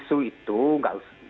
isu itu gak usah